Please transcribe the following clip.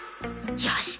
よし！